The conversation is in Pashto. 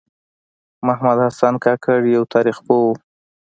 محمد حسن کاکړ یوه تاریخ پوه و .